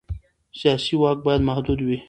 سیاسي واک باید محدود وي